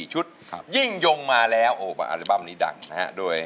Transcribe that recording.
ชุดยิ่งยงมาแล้วอาราบัมนี้ดังนะครับ